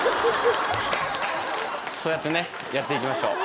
そうやってやって行きましょう。